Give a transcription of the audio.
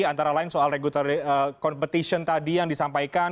antara lain soal regular competition tadi yang disampaikan